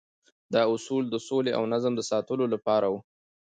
دا اصول د سولې او نظم د ساتلو لپاره وو.